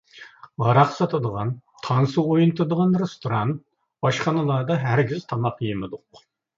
ھاراق ساتىدىغان، تانسا ئوينىتىدىغان رېستوران، ئاشخانىلاردا ھەرگىز تاماق يېمىدۇق.